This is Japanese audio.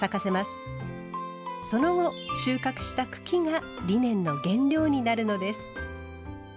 その後収穫した茎がリネンの原料になるのです。